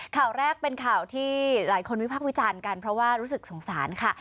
ข่าวแรกเป็นข่าวที่หลายคนวิพากษ์วิจารณ์กันเพราะว่ารู้สึกสงสารค่ะ